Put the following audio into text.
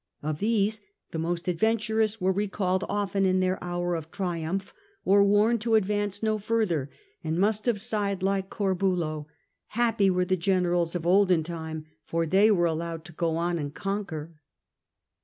Of these the most adventurous were recalled often in their hour of triumph or warned to advance no further, and must have sighed, like Corbulo, * Happy were the generals of olden time 1 ' for they were allowed to go on and conquer.